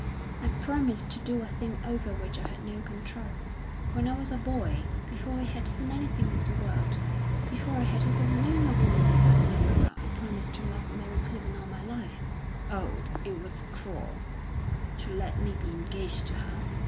"I promised to do a thing over which I had no control. When I was a boy, before I had seen anything of the world, before I had ever known a woman besides my mother, I promised to love Mary Clibborn all my life. Oh, it was cruel to let me be engaged to her!